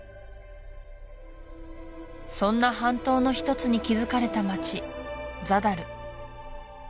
そんな半島の一つに築かれた街ザダル